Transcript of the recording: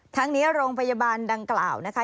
ทั้งนี้โรงพยาบาลดังกล่าวนะคะ